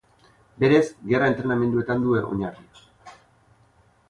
Berez gerra entrenamenduetan du oinarria.